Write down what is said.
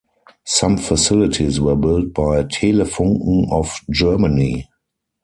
Some facilities were built by Telefunken of Germany.